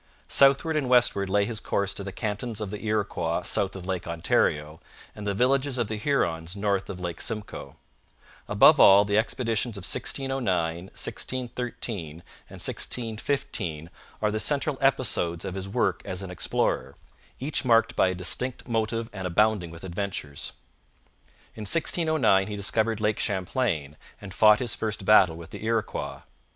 Southward and westward lay his course to the cantons of the Iroquois south of Lake Ontario and the villages of the Hurons north of Lake Simcoe. Above all, the expeditions of 1609, 1613, and 1615 are the central episodes of his work as an explorer, each marked by a distinct motive and abounding with adventures. In 1609 he discovered Lake Champlain and fought his first battle with the Iroquois.